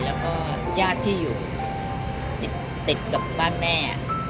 แล้วก็ญาติที่อยู่ติดกับบ้านแม่